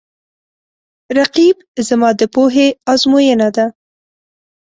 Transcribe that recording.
رقیب زما د پوهې آزموینه ده